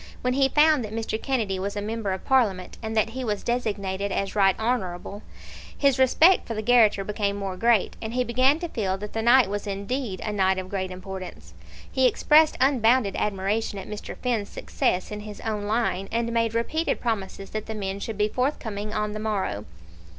When he found that Mr. Kennedy was a member of Parliament, and that he was designated as Right Honourable, his respect for the garrotter became more great, and he began to feel that the night was indeed a night of great importance. He expressed unbounded admiration at Mr. Finn's success in his own line, and made repeated promises that the men should be forthcoming on the morrow.